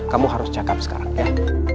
kamu harus check up sekarang ya